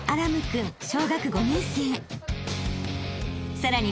［さらに］